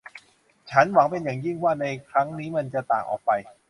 ฉันหวังเป็นอย่างยิ่งว่าในครั้งนี้มันจะต่างออกไป